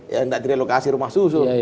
yang tidak direlokasi rumah susu